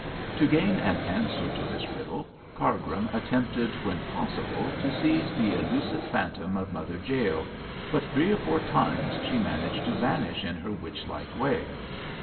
To gain an answer to this riddle, Cargrim attempted when possible to seize the elusive phantom of Mother Jael, but three or four times she managed to vanish in her witch like way.